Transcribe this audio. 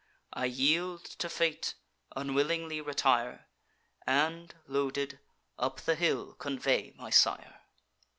I yield to Fate, unwillingly retire, And, loaded, up the hill convey my sire."